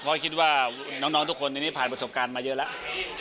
เพราะคิดว่าน้องทุกคนตอนนี้ผ่านประสบการณ์มาเยอะแล้ว